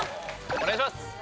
お願いします！